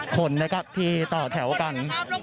คนนะครับที่ต่อแถวกัน